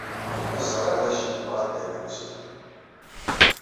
Ẓriɣ d acu ay yebɣa Dda Lḥusin.